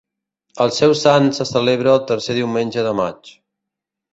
El seu sant se celebra el tercer diumenge de maig.